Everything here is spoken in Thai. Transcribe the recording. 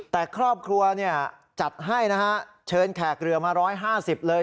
แต่ครอบครัวจัดให้นะฮะเชิญแขกเรือมา๑๕๐เลย